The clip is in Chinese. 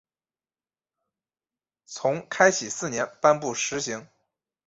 从开禧四年颁布施行。